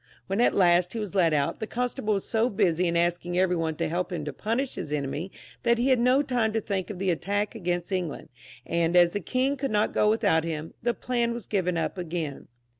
When at last he was let out, the constable was so busy in asking every one to help him to punish his enemy, that he had no time to think of the attack against England ; and as the king could not go without him, the plan was given up again.